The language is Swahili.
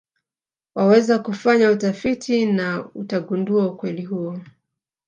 Waweza kufanya utafiti na utagundua ukweli huo